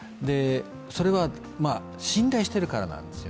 それは信頼してるからなんですよ。